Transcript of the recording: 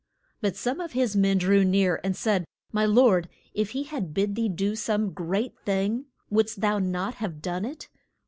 But some of his men drew near, and said, My lord, if he had bid thee do some great thing wouldst thou not have done it?